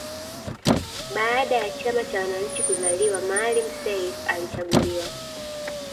Baada ya chama cha wananchi kuzaliwa Maalim Self alichaguliwa